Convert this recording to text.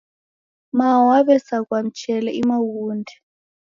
Mao waw'esaghua mchele ima ughude